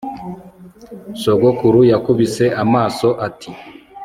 sogokuru yakubise amaso ati